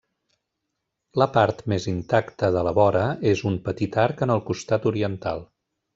La part més intacta de la vora és un petit arc en el costat oriental.